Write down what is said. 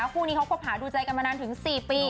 คู่นี้เขาคบหาดูใจกันมานานถึง๔ปี